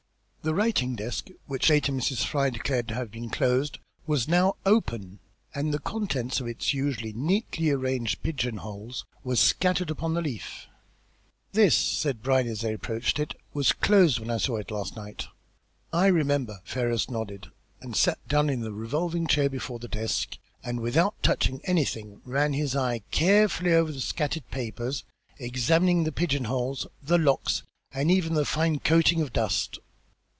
The writing desk, which later Mrs. Fry declared to have been closed, was now open, and a portion of the contents of its usually neatly arranged pigeon holes was scattered upon the leaf. "This," said Brierly, as they approached it, "was closed when I saw it last night." "I remember," Ferrars nodded, and sat down in the revolving chair before the desk, and, without touching anything, ran his eye carefully over the scattered papers, examined the pigeon holes, the locks, and even the fine coating of dust.